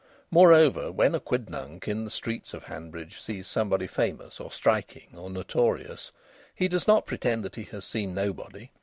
Moreover, when a quidnunc in the streets of Hanbridge sees somebody famous or striking, or notorious, he does not pretend that he has seen nobody.